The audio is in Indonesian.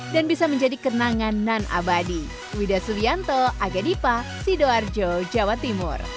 dan bisa menjadi kenangan nan abadi